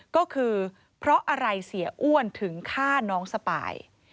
ก็คือเพราะอะไรเสียอ้วนถึงฆ่าน้องสปาย